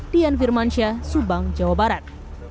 dian firmansyah subang jawa barat